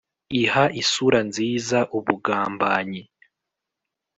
iha isura nziza ubugambanyi,